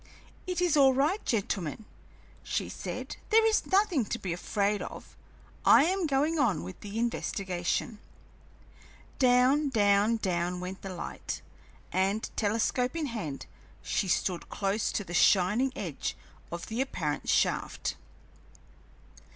"It is all right, gentlemen," she said; "there is nothing to be afraid of. I am going on with the investigation." Down, down, down went the light, and, telescope in hand, she stood close to the shining edge of the apparent shaft.